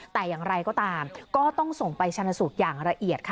แต่อย่างไรก็ตามก็ต้องส่งไปชนะสูตรอย่างละเอียดค่ะ